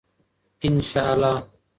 ان شاء الله.